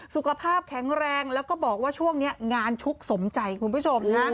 สุขภาพแข็งแรงแล้วก็บอกว่าช่วงนี้งานชุกสมใจคุณผู้ชมนะ